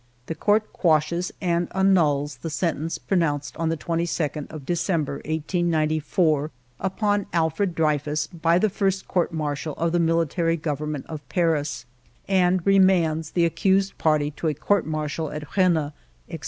The Court quashes and annuls the sentence pronounced on the 22d of December, 1894, upon Alfred Drey fus, by the first Court Martial of the Military Government of Paris, and remands the accused party to a Court Martial at Rennes, etc.